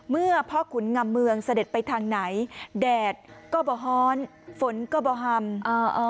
เมื่อพ่อขุนงำเมืองเสด็จไปทางไหนแดดก็บ่ฮ้อนฝนก็บ่ฮัมอ่า